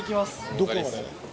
どこまで？